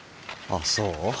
あっそう？